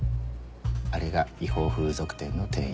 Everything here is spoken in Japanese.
あれが違法風俗店の店員